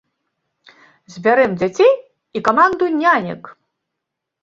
Збярэм дзяцей і каманду нянек!